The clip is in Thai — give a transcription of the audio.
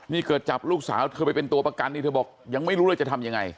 เธอจับลูกสาวเธอไปเป็นตัวประกันที่เธอบอกยังไม่รู้แล้วจะทำอย่างไร